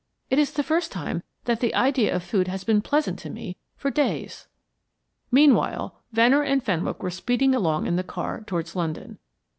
It is the first time that the idea of food has been pleasant to me for days." Meanwhile, Venner and Fenwick were speeding along in the car towards London.